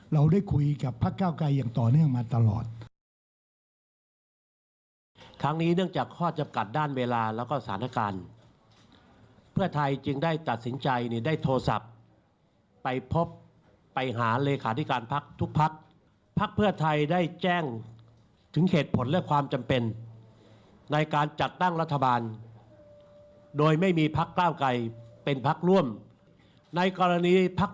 เราได้คุยกับพักเก้าไกยอย่างต่อเนื่องมาตลอด